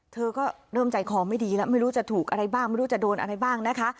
เธอก็เริ่มใจคอไม่ดีแล้วไม่รู้จะถูกอะไรบ้างไม่รู้จะโดนอะไรบ้างนะคะ